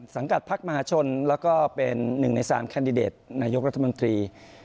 สังกัดพักมหาชนแล้วก็เป็น๑ใน๓แคนดิเดตนายกรัฐมนตรี